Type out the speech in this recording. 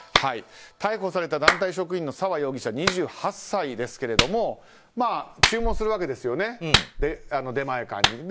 逮捕された団体職員の沢容疑者、２８歳ですけども注文するわけですね、出前館に。